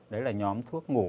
đấy là nhóm thuốc ngủ